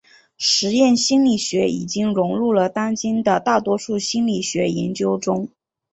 实验心理学已经融入了当今的大多数心理学研究中。